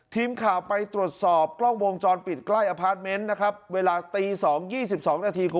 ทีมข่าวไปตรวจสอบกล้องวงจรปิดใกล้อพาร์ทเมนต์เวลา๒๒นาที